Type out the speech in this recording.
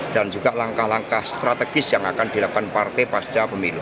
dan juga langkah langkah strategis yang akan dilakukan partai pasca pemilu